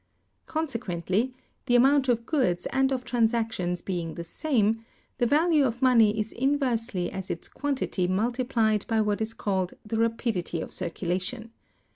Consequently, the amount of goods and of transactions being the same, the value of money is inversely as its quantity multiplied by what is called the rapidity of circulation.